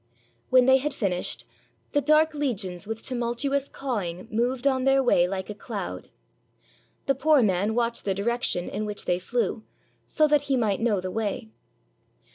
When they had finished, the dark legions with tumultuous cawing moved on their way like a cloud. The poor man watched the direction in which they flew, so that he might know the way.